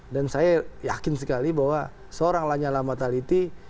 dan saya yakin sekali bahwa seorang lanyala mataliti